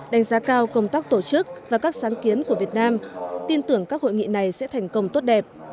đánh giá cao công tác tổ chức và các sáng kiến của việt nam tin tưởng các hội nghị này sẽ thành công tốt đẹp